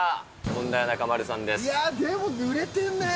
さあ、いやぁ、でも、ぬれてんね。